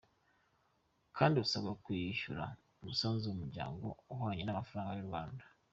kandi usabwa kwishyura umusanzu w’Umuryango uhwanye n’amafaranga y’u Rwanda